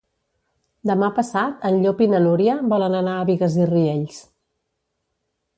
Demà passat en Llop i na Núria volen anar a Bigues i Riells.